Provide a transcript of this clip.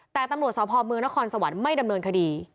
แต่ตำรวจสพเมืองนครสวรรค์ไม่ดำเนินคดี